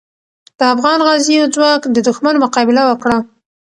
د افغان غازیو ځواک د دښمن مقابله وکړه.